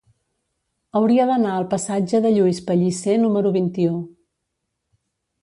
Hauria d'anar al passatge de Lluís Pellicer número vint-i-u.